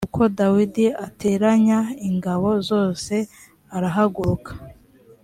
nuko dawidi ateranya ingabo zose arahaguruka